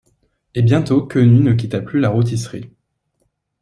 Et bientôt Quenu ne quitta plus la rôtisserie.